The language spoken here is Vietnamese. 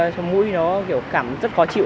cái mùi nó kiểu cảm rất khó chịu